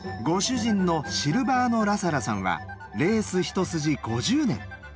ご主人のシルバーノ・ラサラさんはレース一筋５０年。